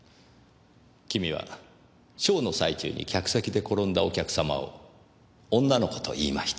君はショーの最中に客席で転んだお客様を女の子と言いました。